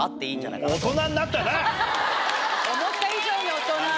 思った以上に大人。